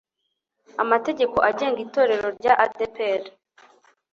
amategeko agenga itorero ry' ADEPR